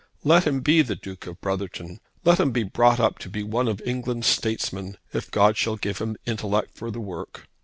Let him be the Duke of Brotherton. Let him be brought up to be one of England's statesmen, if God shall give him intellect for the work.